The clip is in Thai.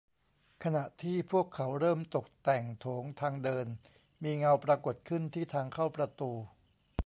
ขณะที่พวกเขาเริ่มตกแต่งโถงทางเดินมีเงาปรากฏขึ้นที่ทางเข้าประตู